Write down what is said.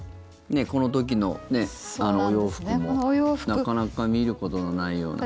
この時のお洋服もなかなか見ることのないような。